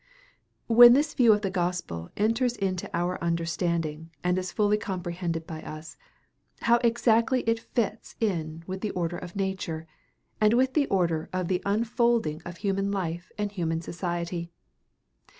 When this view of the gospel enters into our understanding and is fully comprehended by us, how exactly it fits in with the order of nature, and with the order of the unfolding of human life and human society!